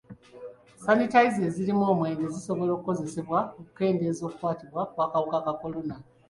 Sanitayiza ezirimu omwenge zisobola okukozesebwa okukendeeza okukwatibwa kw'akawuka ka kolona.